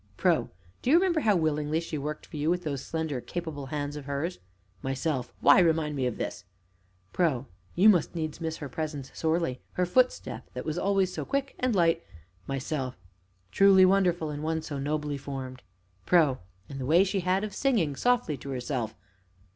PRO. Do you remember how willingly she worked for you with those slender, capable hands of hers ? MYSELF. Why remind me of this? Pro. You must needs miss her presence sorely; her footstep, that was always so quick and light MYSELF. Truly wonderful in one so nobly formed! PRO. and the way she had of singing softly to herself.